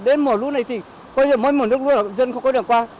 đến mùa lũ này thì có dù mỗi mùa nước lũ là dân không có đường qua